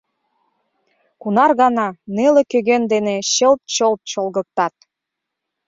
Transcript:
Кунар гана неле кӧгӧн дене чылт-чолт чолгыктат!